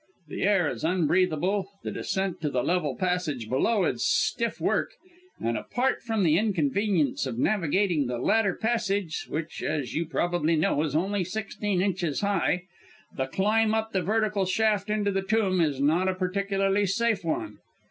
The air is unbreathable, the descent to the level passage below is stiff work, and, apart from the inconvenience of navigating the latter passage, which as you probably know is only sixteen inches high, the climb up the vertical shaft into the tomb is not a particularly safe one.